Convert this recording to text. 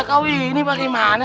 kau ini bagaimana